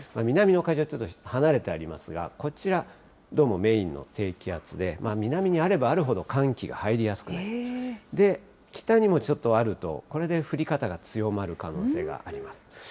南の海上、ちょっと離れてありますが、こちら、どうもメインの低気圧で、南にあればあるほど、寒気が入りやすくなり、北にもちょっとあると、これで降り方が強まる可能性があります。